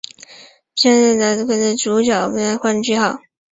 加贺昭三决定在该作中让系列首作主角马鲁斯的故事画上句号。